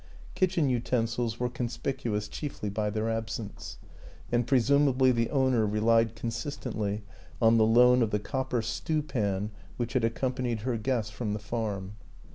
Kitchen utensils were conspicuous chiefly by their absence, and presumably the owner relied consistently on the loan of the copper stewpan which had accom panied her guests from the farm.